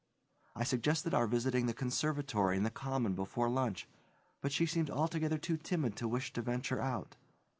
I suggested our visiting the Conservatory and the Common before lunch, but she seemed altogether too timid to wish to venture out.